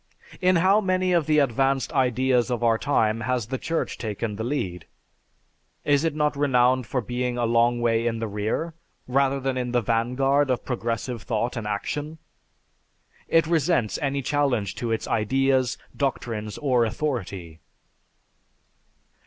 In how many of the advanced ideas of our time has the Church taken the lead? Is it not renowned for being a long way in the rear rather than in the vanguard of progressive thought and action? It resents any challenge to its ideas, doctrines, or authority."